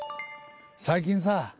最近さ